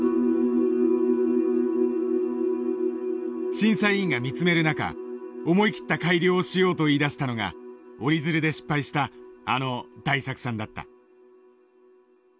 審査委員が見つめる中思い切った改良をしようと言いだしたのが折り鶴で失敗したあの大作さんだった。